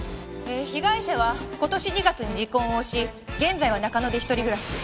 被害者は今年２月に離婚をし現在は中野で一人暮らし。